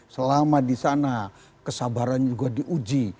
selama di sana kesabarannya juga diuji